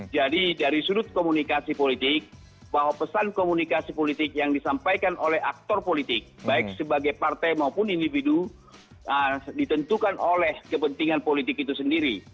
jadi dari sudut komunikasi politik bahwa pesan komunikasi politik yang disampaikan oleh aktor politik baik sebagai partai maupun individu ditentukan oleh kepentingan politik itu sendiri